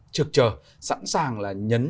trực trở sẵn sàng là nhấn